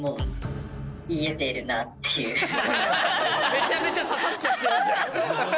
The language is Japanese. めちゃめちゃ刺さっちゃってるじゃん。